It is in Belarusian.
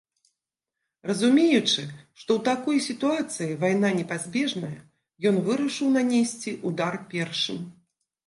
Разумеючы, што ў такой сітуацыі вайна непазбежная, ён вырашыў нанесці ўдар першым.